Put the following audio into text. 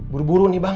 buru buru nih bang